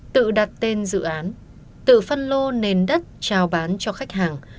tự đặt tên dự án tự phân lô nền đất trao bán cho khách hàng